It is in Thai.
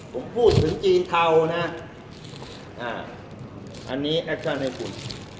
ผมพูดถึงจีนเทานะอันนี้แอคชั่นให้คุณ